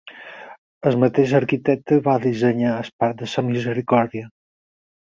El mateix arquitecte va dissenyar el parc de la Misericòrdia.